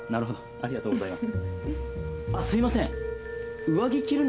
ありがとうございます。